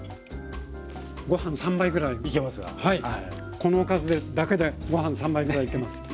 このおかずでだけでごはん３杯ぐらいいけます。